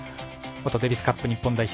元デビスカップ日本代表